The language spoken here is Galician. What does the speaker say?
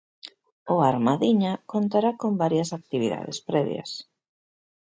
O Armadiña contará con varias actividades previas.